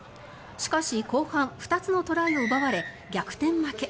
しかし後半２つのトライを奪われ逆転負け。